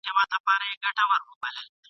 چي هر څه تلاښ کوې نه به ټولیږي ..